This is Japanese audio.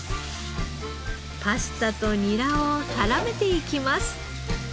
パスタとニラを絡めていきます。